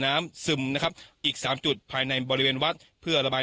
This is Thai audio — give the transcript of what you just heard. ซึมนะครับอีกสามจุดภายในบริเวณวัดเพื่อระบาย